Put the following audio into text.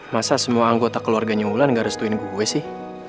masa semua anggota keluarganya wulan gak restuin gue sih